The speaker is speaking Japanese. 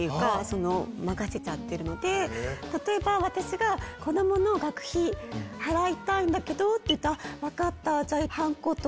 例えば私が「子供の学費払いたいんだけど」って言ったら「分かった」。